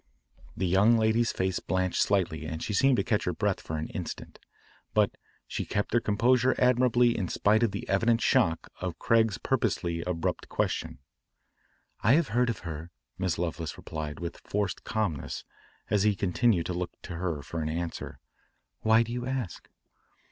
The young lady's face blanched slightly and she seemed to catch her breath for an instant, but she kept her composure admirably in spite of the evident shock of Craig's purposely abrupt question. "I have heard of her," Miss Lovelace replied with forced calmness as he continued to look to her for an answer. "Why do you ask?"